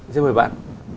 xin mời bạn